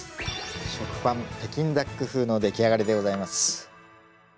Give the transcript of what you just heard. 食パン北京ダック風のできあがりでございます。